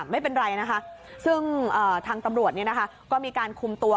ไม่เป็นไรนะคะซึ่งทางตำรวจก็มีการคุมตัว